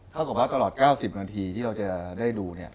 ถ้าเกิดไปตลอด๙๐นาทีที่เราจะได้ดู